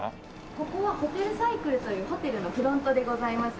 ここはホテルサイクルというホテルのフロントでございます。